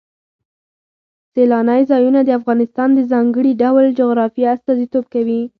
سیلانی ځایونه د افغانستان د ځانګړي ډول جغرافیه استازیتوب کوي.